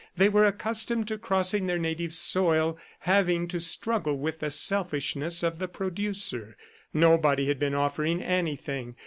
They were accustomed to crossing their native soil, having to struggle with the selfishness of the producer. Nobody had been offering anything.